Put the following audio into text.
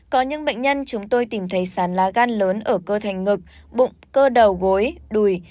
có những bệnh nhân chúng tôi tìm thấy sàn lá gan lớn ở cơ thành ngực bụng cơ đầu gối đùi